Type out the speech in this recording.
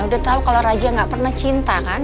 udah tahu kalau raja gak pernah cinta kan